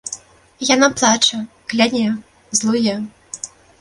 Яна плача, кляне, злуе.